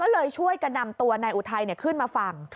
เลยช่วยกันนำตัวนายอุทัยขึ้นมาฝั่ง